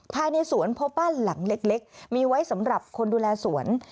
ภายในสวนพบบ้านหลังเล็กมีไว้สำหรับคนดูแลสวน